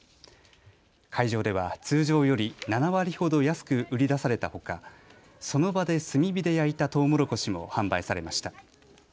会場では通常より７割ほど安く売り出されたほか、その場で炭火で焼いたとうもろこしも販売されました。